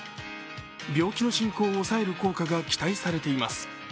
病気の進行を抑える効果が期待されています。